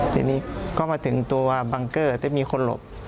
ทีนี้ก็มาถึงตัวบังเกอร์ที่มีคนหลบ